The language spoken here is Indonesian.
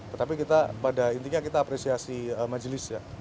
tetapi kita pada intinya kita apresiasi majelisnya